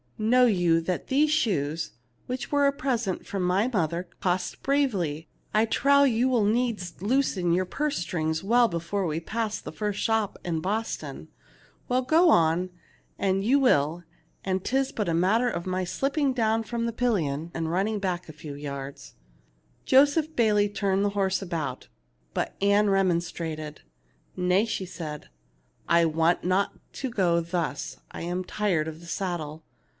Know you that these shoes, which were a present from my mother, cost bravely ? I trow you will needs loosen your purse strings well before we pass the first shop in Boston. Well, go on, an' you will, when 'tis but a matter of my slipping down from the pil lion and running back a few yards/' Joseph Bayley turned his horse about ; but Ann remonstrated. "Nay," said she ;" I want not to go thus. I am tired of the saddle.